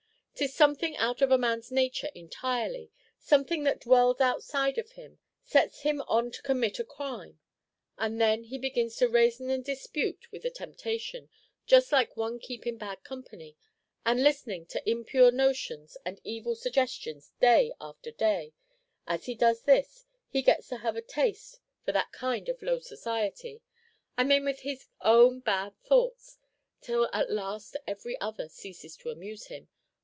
'Tis something out of a man's nature entirely something that dwells outside of him sets him on to commit a crime; and then he begins to rayson and dispute with the temptation, just like one keepin' bad company, and listenin' to impure notions and evil suggestions day after day; as he does this, he gets to have a taste for that kind of low society, I mane with his own bad thoughts, till at last every other ceases to amuse him.